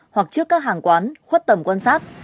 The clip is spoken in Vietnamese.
hoặc trước các hàng quán khuất tầm quan sát